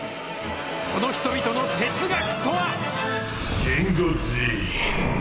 その人々の哲学とは。